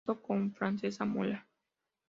Casó con Francesca Mora.